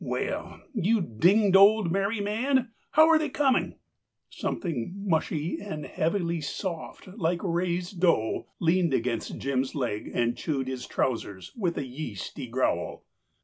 Well, you dinged old married man, how are they coming?" Something mushy and heavily soft like raised dough leaned against Jim's leg and chewed his trousers with a yeasty growl.